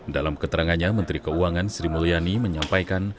dalam keterangannya menteri keuangan sri mulyani menyampaikan